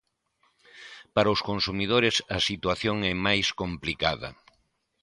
Para os consumidores a situación é máis complicada.